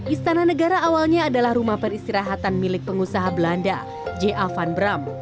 istana negara awalnya adalah rumah peristirahatan milik pengusaha belanda javan bram